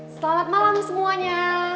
selamat malam semuanya